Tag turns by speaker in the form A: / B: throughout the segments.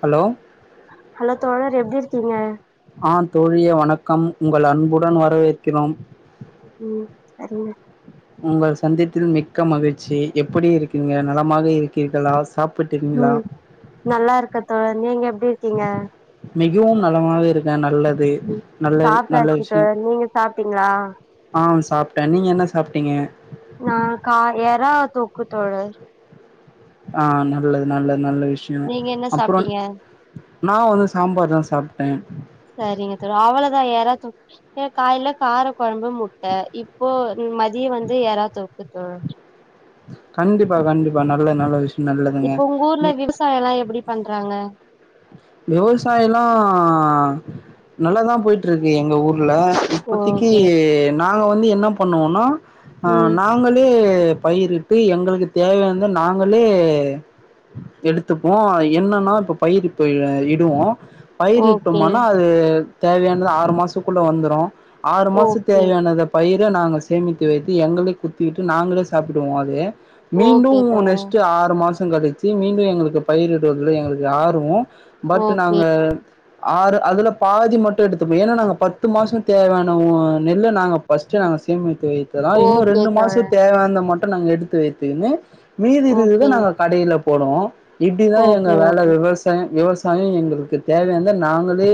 A: Hello
B: hello தோழர் எப்டி இருக்கீங்க
A: பக்கம் உங்கள் அன்புடன் வரவேற்கிறோம்
B: ம் சரிங்க
A: உங்கள் சந்தித்தில் மிக்க மகிழ்ச்சி எப்டி இருக்கீங்க நலமாக இருக்கீர்களா சாப்
B: ம் நல்லா இருக்க தோழன் நீங்க எப்டி க்கீங்க
A: மிகவும் நலமாவ இருக்கே நா நல்லது
B: ம்
A: நல்ல நல்ல
B: சாப்ட்டாச்சு
A: விஷயம்
B: தோழர் நீங்க சாப்ட்டீங்களா
A: ஆ் சாப்ட்டே நீங்க என்ன சா அப்படிங்க
B: ந கா எரா தூக்கு தோழர்
A: ஆ நல்லது நல்லது நல்ல விஷயம்
B: நீங்க என்ன
A: அப்புற
B: சாப்ட்டீங்க
A: நா வந்து சாம்பார் தா சாப்ட்டே
B: கே காய்ல கார குழம்பு முட்ட இப்போ ம் மதியம் வந்து எற தொக் இப்ப
A: கண்டிப்பா கண்டிப்பா நல்ல நல்ல விஷய
B: இப்ப உங்க ஊர்ல விவசாய எல்லா எப்பிடி பண்றாங்க
A: விவசாயல்லா நல்லாதா போயிட்டு இருக்கு எங்க ஊர் ல இப்பித்திக்கு
B: ஓகே
A: நாங்க வந்து என்ன பண்ணுவோம்னா ஆ
B: ம்
A: நாங்களே ட்டு பயிரிட்டு எங்களுக்கு தேவையானந்து நாங்களே எடுத்துப்போ என்னன்னா இப்ப பயிரு போய்ருவ இடுவோ
B: ஓகே
A: பயிரட்டுமனா அது தேவையானது ஆறு மாசம்க்குள்ள வந்துரு ஆறு மாச
B: ஓகே
A: தேவையானது பயிர் தா நாங்கச் சேமித்து வைத்து எங்கள குத்திவிட்டு நாங்களே சாப்பிடுவோ அது மீண்டு
B: ஓகே தோழர்
A: நெஸ்ட் ஆறு மாஷ் த் கெடைச்சி மீண்டு எங்களுக்கு பயிரிடுவதில் எங்களுக்கு ஆர்வோ பட்
B: ஓகே
A: நாங்க ஆறு அதுல பாதி மட்டு எடுத்துப்போ ஏன்னா நாங்க பத்து மாசோ தேவையான நெல்ல நாங்க பஸ்ட் நா சேமித்து வைத்ததா இன்னு
B: ஓகே
A: ரெண்டு மாசம்
B: தோழர்
A: தேவையான மட் நாங்க எடுத்து வைத்துகுனு மீதி இருகுத
B: ஓகே
A: நாங்க கடையில போடுவோ இப்பிடிதா எங்க
B: ஓகே
A: வேல
B: ஓகே
A: விவசா விவசாயம் எங்களுக்கு தேவையானந்த நாங்களே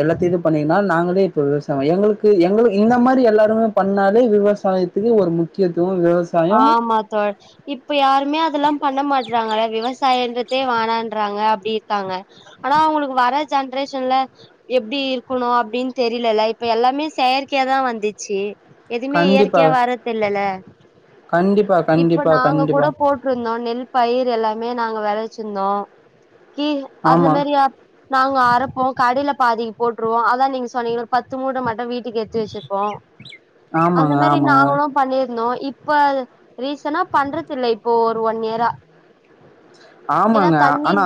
A: எல்லாத்திது பண்ணீன்னா நாங்களே இப்ப விவசா எங்களுக்கு எங்க இந்த மாரி எல்லாருமே பண்ணாலே விவசாயத்துக்கு ஒரு முக்கியத்
B: ஆமா தோ இப்ப யாருமே அதெல்லா பண்ண மாடறாங்கள விவசா சாயன்றதே வானான்றாங்க அப் இப்பிடி இருக்காங்க ஆனா அவங்களுக்கு வர ஜென்ரேஷன்ல எப்பிடி இருக்கணு அப்படின்னு தெரியல இல்ல இப்ப எல்லாமே செயற்கைய தா வந்திச்சி எதிமே
A: கண்டிப்பா
B: இயற்கையா வர்றது இல்லல
A: கண்டிப்பா
B: இப்ப
A: கண்டிப்பா
B: நாங்க கூட
A: கண்டிப்பா
B: போட்டுருந்தோ நெல் பயிர் எல்லாமே நாங்க விளச்சிருந்தோ கீ அந்த
A: ஆமா
B: மாரி நாங்க அரப்போ கடைல பாதிக்கு போட்டுருவோ அதா நீங்க சொன்னீங்க ஒரு பத்து மூட்ட மட்டு வீட்டுக்கு எத்து வெச்சிருப்போ அந்த
A: ஆமாங்க
B: மாரி
A: ஆமாங்க
B: நாங்களு பண்ணிருந்தோ இப் இப்ப அது ரீசனா பண்றது இல்ல இப்போ ஒரு ஒன் இயரா ஏன்னா
A: ஆமாங்க
B: தண்ணி
A: ஆனா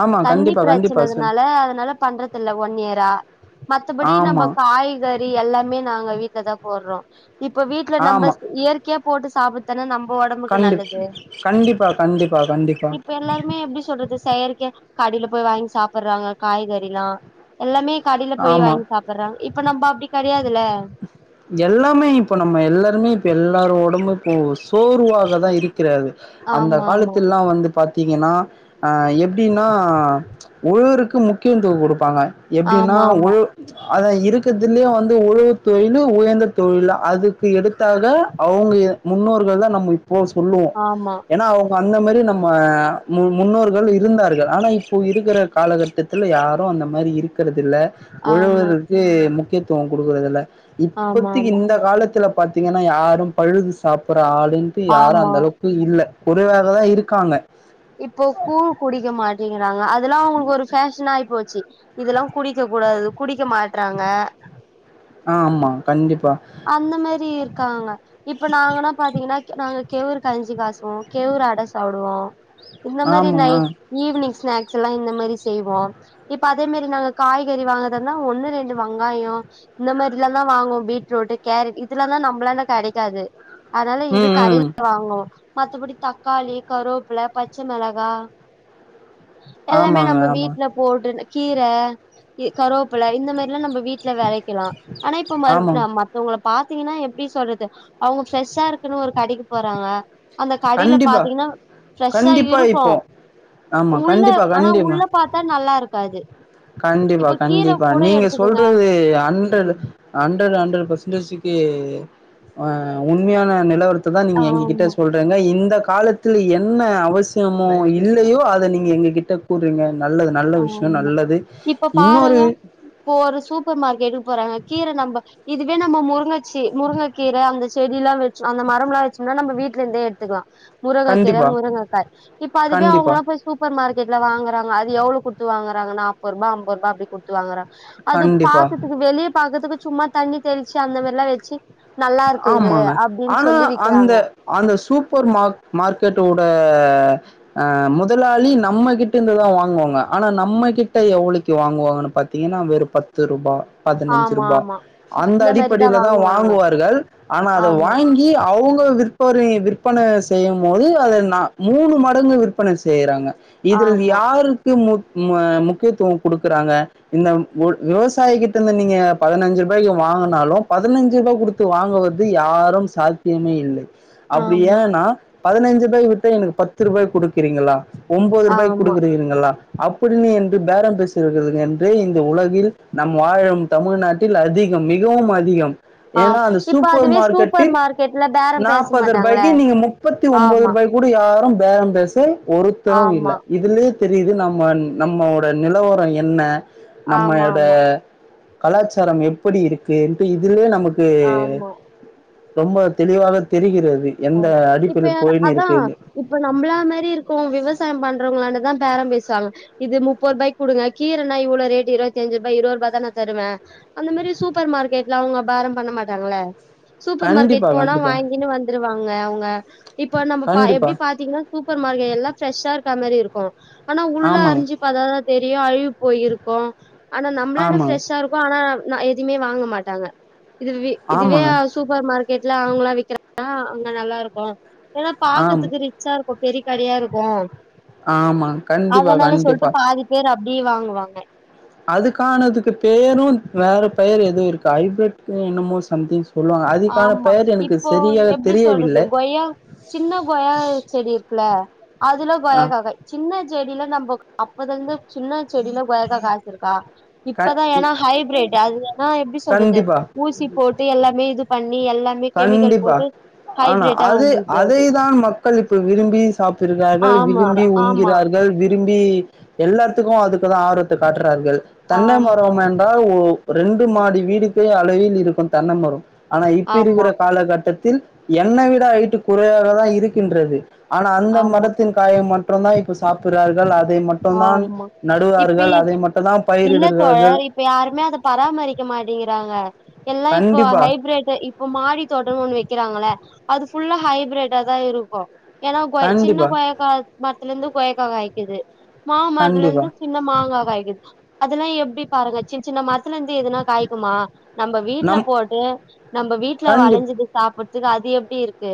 A: ஆமா
B: தண்ணி
A: கண்டிப்பா கண்டிப்பா சொல்
B: பிரச்சனைதுனால அதனால பண்றது இல்ல ஒன் இயரா மத்தபடி நம்ப
A: ஆமா
B: காய்கறி எல்லாமே நாங்க வீட் லதா போட்றோ இப்ப வீட்ல
A: ஆமா
B: நம்பஸ் இயற்கையா போட்டு சாப்புட்தான நம்
A: கண்டிப் ம் கண்டிப்பா கண்டிப்பா கண்டிப்பா
B: க கடைல போயி வாங்கி சாப்பட்றாங்க காய்கறில்லா எல்லாமே கடைல போய்
A: ஆமா
B: வாங்கி சாப்பட்றாங்க இப்ப நம்ப அப்டி கெடையாதல்ல
A: லாரு ஒடம்பு இப்போ சோர்வாகதா இரு க்கிறது அந்த
B: ஆமா ஆமா
A: காலத்தில்லா வந்து பாத் த்தீங்கன்னா ஆ எப்டின்னா உழறக்கு முக்கியத்துவோ கொடுப்பாங்க ப்டின்னா உழ
B: ஆமா
A: அதா இருக்கறதுலயே வந்து உழவுத் தொழிலு உயர்ந்த தொழிலு அதுக்கு எடுத்தாக அவங்க எ முன்னோர்கள்ல நம்ம இப்போ சொல்லுவோ
B: ஆமா
A: ஏன்னா அவங் சோ அந்த மாரி நம்ம மு முன்னோர்கள் இருந்தார்கள். ஆனா இப்போ இருக்கிற காலகட்டத்தில யாரு அந்த மாரி இரு க்கறது இல்ல
B: ஆமா
A: உழவருக்கு முக் கியத்துவோ குடுக்குறதில்ல
B: ஆமா ஆமா
A: இப்பத்திக்கி
B: ஆமா
A: இந்த காலத்துல பாத்தீங்கன்னா யாரு பழுது சாப்பட் ற ஆளுன்ட்டு யாரு
B: ஆமா
A: அந்த அளவுக்கு இல்ல குறைவாக தா இருக்காங்க
B: இப்போ கூழ் குடிக்க மாட்டீங்க றாங்க அ தல்லா அவங்களுக்கு ஒரு ஃபேஷனா ஆயிப் போச்சி. இதெல்லா குடிக்கக் கூடாது குடிக்க மாட்றாங்க
A: ஆ ஆமா கண்டிப்
B: அந்த மாரி இருக்காங்க. இப்ப நாங்கல்லா பாத்தீங்கன்னா கெ நாங்க கெவுரு கஞ்சி காசுவோ கெவுரு அட சாப்டுவோ இந்த மாரி
A: ஆமா
B: நை
A: ஆ
B: ஈவினிங் ஸ்நாக்ஸ் எல்லா இந்த மாரி செய்வோ இப்ப அதே மாரி நாங்க காய்கறி வாங்குறதுனா ஒன்னு ரெண்டு வங்காயொ இந்த மாரில்லா தா வாங்குவோ பீட் ரூட்டு கேரட் இதுல்லாந்தா நம்பளான்ட கடெக்காது அதுனால இது
A: ம்
B: கடைல
A: ம்
B: வாங்னோ மத்தபடி தக்காளி கருவப்புல பச்ச மெளகா எல்லாமே
A: ஆமாங்க
B: நம்ப
A: ஆமா
B: வீட்ல போடுனு கீர கருவப்பில இந்த மாரி இதுலா நம்ப வீட்ல வெளைக்கலா ஆனா இப்ப மறு நா
A: ஆமாங்
B: மத்தவுங்கள பாத்திங்கன்னா எப்டி சொல்றது அவுங்க ஃப்ரெஷ்ஷா இருக்குன்னு ஒரு கடைக்கு போறாங்க அந்த கடைல
A: கண்டிப்பா
B: பாத்தீங்கனா ஃப்ரெஷ்ஷா
A: கண்டிப்பா
B: இருக்கு
A: இப்போ ஆமா
B: உள்ள
A: கண்டிப்பா
B: ஆனா
A: கண்டிமா
B: உள்ள பாத்தா நல்லாருக் காது
A: கண்டிப்பா கண்டிப்பா நீங்க சொல்றது ஹன்ட்ரடு அன் ட்ரடு அன்ட்ரடு பர்ஸன்டேஜுக்கி அ உண்மையான நிலவரத் இப்பதா நீங்க எங்ககிட்ட
B: ஆமா
A: சொல்றீங்க இந்த காலத்துல என்ன அவசியமோ இல்லயோ அத நீங்க எங்க கிட்ட கூறிங்க நல்லது நல்ல விஷ்யொ
B: ஆமா
A: நல்லது
B: இப்ப
A: இன்னொரு
B: பாருங்க இப்ப ஒரு சூப்பர் மார் கெட்டு போறாங்க கீர நம்ப இதுவே நம்ம முருங்க சி முருங்கக்கீர அந்த செடில்லா வச் அந்த மரம்லா வச்சொம்னா நம்ப வீட்லந்தே எடுத்துக்லா முருங்கக்கீர
A: கண்டிப்பா
B: முருங்கக்காய் இப்ப அதுவே
A: கண்டிப்பா
B: அவுங்களா போய் சூப்பர்மார் கெட்ல வாங்குறாங்க அது எவ்ளொ குட்த்து வாங்குறாங்க நாப்பருபா அம்பருபா அப்டி குட்த்து வாங்குறா அது
A: கண்டிப்பா
B: பாக்கர்துக்கு வெளிய‌ பாக்கர்துக்கு சும்மா தண்ணி தெளிச்சு அந்த மாரிலா வெச்சு
A: ஆமாங்க ஆனா அந்த
B: விக்கிறாங்க
A: அந்த சூப்பர் மார் மார்க்கெட்டோட ஆ முதலாளி நம்மகிட்டந்துதா வாங்குவாங்க ஆனா நம்ம கிட்ட எவ்ளக்கி வாங்குவாங்கனு பாத்தீங்கனா வெறு பத்து ருபா பதினஞ்சு
B: ஆமா
A: ருபா
B: ஆமா
A: அந்த
B: இந்த மாரிதா
A: அடிப்படைல தா
B: வாங்குவாங்க
A: வாங்குவா ரு ஆனா
B: ஆமா
A: அத‌வாங்கி அவுங்க விருப்ப ஒரு இது விற்பன செய்யும் போது அத நா மூணு மடங்கு விற்பன செய்யறாங்க. இதில்
B: ஆமா
A: யாருக்கு மு ம முக்கியத்துவோ குடுக்கறாங்க. இந்த ஒர் விவசாயிகிட்ட இருந்து நீங்க பதினஞ்சு ரூபாய்க்கு வாங்குனாலு பதனஞ்சு ரூபா குடுத் து வாங்குவது யாரும் சாத்தியமே இல்லை. அப்டி
B: ஆமா
A: ஏன்னா பதனஞ்சு ரூபாய விட்டு எனக்கு பத்து ரூபாய்க்கு குடுக்குறீங்களா ஒம்போது ரூபாய்க்கு
B: ஆமா
A: குடுக்குறீர்ங்களா அப்படினு என்று பேரம் பேசுகிறதுருக்கு என்று இந்த உலகில் நம் வாழும் தமிழ்நாட்டில் அதிகம் மிகவும் அதிகம்
B: ஆ
A: ஏன்னா அந்த
B: இப்ப
A: சூப்பர்
B: அதுவே சூப்பர்
A: மார்க்கெட்டில்
B: மார்க்கெட்ல பேரம் பேச
A: நாப்பது
B: மாட்டாங்க
A: ரூபாய்க்கி நீங்க முப்பத்தி ஒம்போது
B: ஆமா,
A: ரூபாய் கூட யாரும் பேரம் பேச ஒருத்தரு
B: ஆமா,
A: இல்ல இதுலயே தெரியுது நம்ம ந் நம்மோட நிலவரோ என்ன நம்மோட
B: ஆமாமா,
A: கலாச்சாரம் எப்படி இருக்குன்ட்டு இதுலயே நமக் கு
B: ஆமா, ஆமா.
A: ரொம்ப தெளிவாக தெரிகிற
B: ஓ இப்ப அதா இப்ப நம்ளா மாரி இருக்கும் விவசாயோ பண்றவங்களாண்ட தா பேரம் பேசுவாங்க இது முப்பது ரூபாய்க்கு குடுங்க கீர என்னா இவ்ளோ ரேட்டு இரவத்தஞ்சு ரூபாய் இரவது ரூபாதா நா தருவே அந்த மாரி சூப்பர் மார்க்கெட்ல அவங்க பேரம் பண்ண மாட்டாங்கல்ல சூப்பர்
A: கண்டிப்பா
B: மார்க்கெட் போனா
A: கண்டிப்பா
B: வாங்கினு வந் துருவாங்க அவங்க இப்ப நம்ம பா
A: கண்டிப்பா
B: எப்டி பாத்தீங்கன்னா சூப்பர் மார்க்கெட் எல்லா ஃப்ரஷ்ஷா இருக்கா மாரி இருக்கு ஆனா உள்ள
A: ஆமாங்க,
B: அரிஞ்சு பாத்தாதா தெரியு அழிவி போயிருக்கு ஆனா நம்மளாண்ட
A: ஆமாங்க,
B: ஃப்ரெஷ்ஷா இருக்கு ஆனா ந எதுமே வாங்க மாட்டாங்க இது வி இதுவே
A: ஆமாங்க,
B: ஆ சூப்பர் மார்க்கெட்ல அவங்கல்லா விக்கிற ஆ அங்க நல்லா இருக்கு ஏனா
A: ஆம்
B: பாக்குறதுக்கு ரிச்சா இருக் இப்ப பெரியக்கடையா இருக்கு
A: ஆமா கண்டிப்பா கண்டிப்பா
B: அப்டி வாங்குவாங்க
A: அதுக்கானதுக்கு பேரு வேற பெயர் எதோ இருக்கு ஐபிரிட் என்னமோ சம்திங் சொல்லுவாங்க. அதுக்கான
B: ஆமா
A: பெயர் எனக்கு
B: இப்போ
A: சரியாக
B: எப்டி சொல்றது
A: தெரியவில்லை.
B: கொய்யா சின்ன கொயா செடி இருக்குல அதுல
A: ஆ
B: கொயாக்கக்காய் சின்ன செடியில நம்ம அப்பத இருந்து சின்ன செடில கொய்யாக்கா காச்சிருக்கா
A: க
B: இப்பதா
A: இ
B: ஏனா ஹைப்ரேடு அது ஏனா எப்டி சொல்றது
A: கண்டிப்பா.
B: ஊசி போட்டு எல்லாமே இது பண்ணி எல்லாமே கெமிக்கல்
A: கண்டிப்பா
B: போட்டு
A: ஆனா
B: ஹைபிரேட்டா
A: அது
B: வந்துது
A: அதைதான் மக்கள் இப்ப விரும்பி சாப்பிடுகிறார்கள்
B: ஆமா
A: விரும்பி
B: ஆமா
A: உண்கிறார்கள் விரும்பி எல்லாத்துக்கும் அதுக்கு தா ஆர்வத்த காட்டுறார்கள் தென்னை
B: ஆமா
A: மரோமென்றால் உ ரெண்டு மாடி வீடுக்கே அளவில் இருக்கும் தென்னை மரோ ஆனா இ இப்பிருகிற
B: ஆமா
A: காலகட்டத்தி தில் என்னை விட ஹைடு குறையாக தா இருக்கின்றது ஆனா அந்த
B: ஆமா
A: மரத்தின் காய மட் அப்றந்தா இப்ப சாப்பிட்ரார்கள் அது
B: ஆமா இப்ப
A: அதை மட்டும் தான்
B: இல்ல
A: பயிரிடுகிறார்கள்.
B: தோழர் இப்ப யாருமே அத பராமரிக்க மாட்டேங்கிறாங்க எல்லா இப்போ
A: கண்டிப்பா,
B: ஹைப்ரேட் இப்ப மாடி தோட்டோனு ஒண்ணு வக்கிறாங்கள அது ஃபுல்லா ஹைப்ரேடாதா இருக்கு ஏனா கொயா சின்ன
A: கண்டிப்பா,
B: கொயாக்கா மரத்துலருந்து கொயாக்கா காய்க்குது
A: கண்டிப்பா.
B: மாமரத்துலருந்து சின்ன மாங்கா காய்க்குது அதெலா எப்டி பாருங்க சின்ன சின்ன மரத் துலருந்து எதுனா காய்க்குமா நம்ம வீட்டுல
A: நம்
B: போட்டு நம்ம வீட்டுல
A: கண்டிப்
B: வளைஞ்சத சாப்ட்டு [unintelligible] அது எப்டி இருக்கு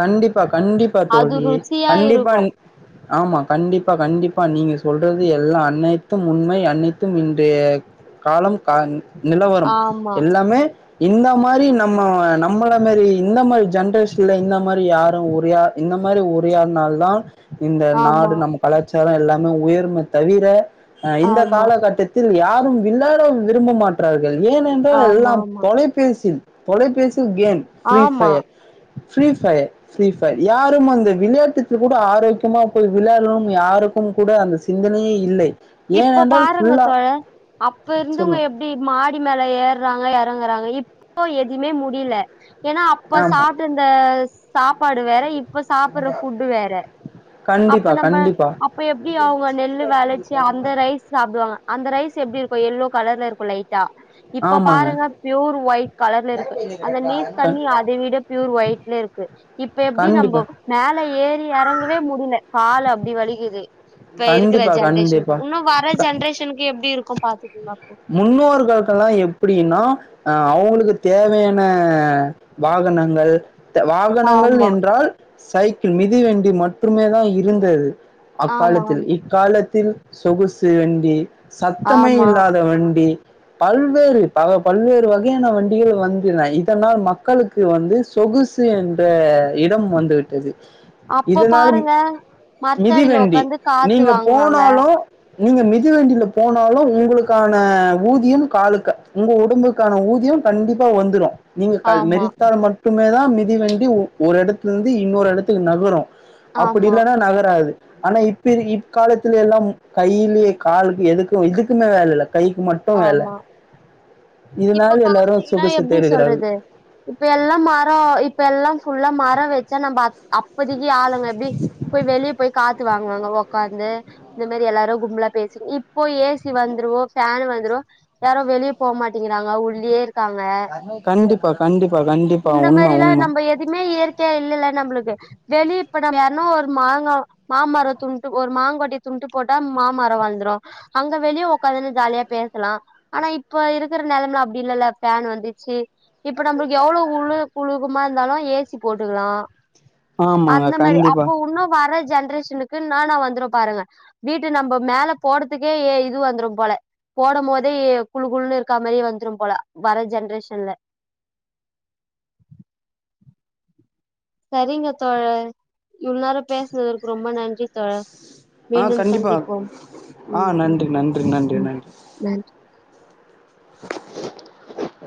A: கண்டிப்பா கண்டிப்பா
B: அது
A: தோழி
B: ருசியா
A: கண்டிப்பா
B: இருக்கு
A: ஆமா கண்டிப்பா கண்டிப் பா நீங்க சொல்றது எல்லா அனைத்தும் உண்மை அனைத்தும் இன்றைய காலம் கா நிலவரம்
B: ஆமா
A: எல்லாமே இந்த மாரி நம்ம நம்மள மாரி இந்த மாரி ஜென்ரேஷன்ல இந்த மாரி யாரு உரியா இந்த மாரி உரயாட்னால் தா இந்த
B: ஆமா
A: நாடு நம்ம கலாச்சாரோ எல்லா னு உயர்மே தவிர ஆ இந்த
B: ஆமா
A: காலகட்டத்தில் யார் வில்லாட விரும்ப மாற்றார் கள் ஏனனென்றால்
B: ஆமா
A: எல்லாம்
B: ஆமா
A: தொலைபேசி தொலைப்பேஸ் கேம் பிரி
B: ஆமா
A: ஃபயர் ஃரீப் ஃபயர் ஃப்ரீ ஃபயர் யாரும் அந்த விளையாட்டுக்கு கூட ஆரோக்கியமா போய் விளையாடணும் யாருக்கும் கூட அந்த சிந்தனையே இல்லை
B: இப்ப
A: ஏனென்றால்
B: பாருங்க
A: ஃபுல்லா
B: தோழ அப்ப இருந்துவங்க
A: சொல்லுங்க
B: எப்டி மாடி மேல ஏர்றாங்க எற றங்கறாங்க இப்போ எதுவுமே முடில ஏன்னா அப்ப
A: ஆமா
B: சாப்ட்டுந்த சாப்பாடு வேற இப்ப சாப்பற ஃபுட்டு வேற அப்ப
A: கண்டிப்பா
B: நம்ம
A: கண்டிப்பா
B: அப்ப எப்டி அவங்க நெல்லு வெல அந்த ரைஸ் சாப்டுவாங்க அந்த ரைஸ் எப்டிரு எல்லோ கலர்ல இருக்கு லைட் இப்ப
A: ஆமாங்க
B: பாருங்க ப்யூர் ஒயிட் கலர்ல இருக்கு அந்த நீத் தண்ணி அதை விட ப்யூர் ஒயிட்ல இருக்கு இப்ப எப்படி
A: கண்டிப்பா
B: நம்ம மேல ஏறி இறங்கவே முடில காலு அப்புடி வலிகுது இப்ப இருக்கற
A: கண்டிப்பா
B: ஜென்ரேஷன்
A: கண்டிப்பா
B: இன்னு வர ஜென்ரேஷனுக்கு எப்டி இருக்கு பாத்
A: முன்னோர்களுகெல்லா எப்டின்னா அ அவுங்களுக்கு தேவையான வாகனங்கள் த் வாகனங்கள்
B: ஆமா
A: என்றால் சைக்கிள் மிதிவண்டி மட்ருமே தா இருந்தது
B: ஆமா
A: அக்காலத்தில்
B: ஆமா
A: இக்காலத்தில் சொகுசு வண்டி சத்தமே
B: ஆமா
A: இல்லா வண்டி பல்வேறு பல பல்வேறு வகையான வண்டிகள் வந்து இதனால் மக்களுக்கு வந்து சொகுசு என்ற இடம் வந்து விட்டது
B: அப்ப
A: இதனால
B: பாருங்க மரத்தடியில
A: மிதிவேண்டி
B: உக்காந்து காத்து
A: நீங்க
B: வாங்குவாங்க
A: போனாலு நீங்க மிதிவண்டில போன் ந்தாலு உங்குளுக் க்கான ஊதியம் காலுக்க உங்க உடும்புக்கான ஊதியம் கண்டிப்பா வந்துரு நீங்க கால்
B: ஆமா
A: மிதித்தால் மட்டுமே தா மிதி வண்டி ஒரு எடத்தலிருந்து இன்னொரு எடத்துக்கு நகரு அப்டி
B: ஆமா
A: இல்லன்னா நகராது ஆனா இப்ப இக்காலத்துலல்லா கையிலேயே காலுக்கு எதுக்குமே வேல இல்ல
B: ஆமா
A: இதனால
B: இப்ப
A: எல்லாரும்
B: பாத்தீங்கன்னா
A: சொகுசு
B: எப்டி
A: தேடுகிறார்கள்
B: சொல்றது இப்ப எல்லா மர இப்ப எல்லா பு ஃபுல்லா மர வச்சா நம்ம [unintelligible] அப்பதைக்கு ஆளுங்க எப்டி போய் வெளியே போய் காத் து வாங்குவாங்க உக்காந்து இந்த மாரி எல்லாரு கும்பலா பேசி இப்போ ஏ சி வந்துரு ஃபேன் வந்துரு ந்துரு யாரு வெளியே போக மாட்டேங்கிறாங்க உள்ளயே க்காங்க
A: கண்டிப்பா கண்டிப்பா கண்டிப்பா
B: இந்த
A: உண்மை
B: மாரிலா
A: உண்மை
B: நம்ம எதுவுமே இயற்கையா இல்லல்ல நம்மளுக்கு வெளிய இப்ப நம்ம யார்னு ஒரு மாங்க மாமரோ துண்ட்டு ஒரு மாங்கோட்டய துண்ட்டு போட்டா மாமரோ வள்ந்துரு அங்க வெளியே உக்காதுன்னு ஜாலியா பேசலா ஆனா இப்ப இருக்கிற நெலம அப்டி இல்லல்ல ஃபேன் வந்துச்சு இப்ப நம்மளுக்கு எவ்வளவுழு குழுகமா இருந்தாலு ஏ சி போட்டுக்கலா
A: ஆமாங்க
B: அந்த மாரி
A: கண்டிப்பா
B: அப்போ உன்னு வரது ஜென்ரேஷனுக்கு என்னான வந்துரு பாருங்க வீட்டு நம்ம மேல போறதுக்கே ஏ இது வந்துரு போல போடம்போதே குழு குழுனு இருக்கா மாரியே வந்துரு போல வர ஜென்ரேஷன்ல சரிங்க தோழர் இவ்ளநேர பேசுனதுற்கு ரொம்ப நன்றி தோழர்
A: ஆ
B: மீண்டும்
A: கண்டிப்பா
B: சந்திப்போம்
A: ஆ
B: ம் ம்
A: நன்றி நன்றி நன்றி
B: ம்
A: நன்றி [inaudible]